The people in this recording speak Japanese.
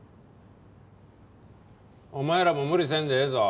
お前らも無理せんでええぞ。